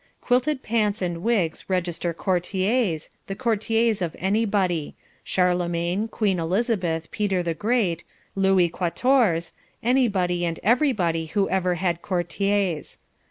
Quilted pants and wigs register courtiers, the courtiers of anybody Charlemagne, Queen Elizabeth, Peter the Great, Louis Quatorze, anybody and everybody who ever had courtiers.